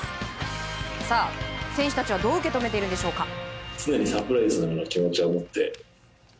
選手たちは、どう受け止めているんでしょうか。